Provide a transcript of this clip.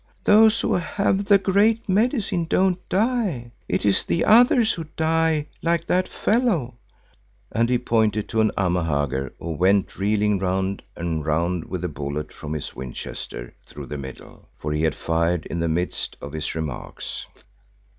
Those who have the Great Medicine don't die; it is the others who die, like that fellow," and he pointed to an Amahagger who went reeling round and round with a bullet from his Winchester through the middle, for he had fired in the midst of his remarks.